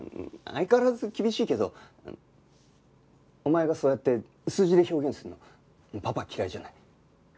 相変わらず厳しいけどお前がそうやって数字で表現するのパパ嫌いじゃない。